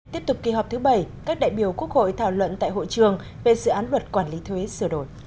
tiếp tục kỳ họp thứ bảy các đại biểu quốc hội thảo luận tại hội trường về dự án luật quản lý thuế sửa đổi